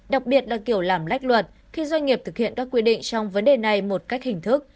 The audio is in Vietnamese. đặc biệt là kiểu làm lách luật khi doanh nghiệp thực hiện các quy định trong vấn đề này một cách hình thức